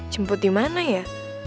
jemput dimana ya